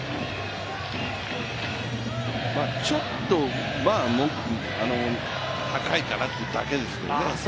ちょっと高いかなというだけですけどね。